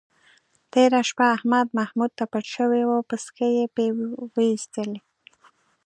تېره شپه احمد محمود ته پټ شوی و، پسکې یې پې وایستلی.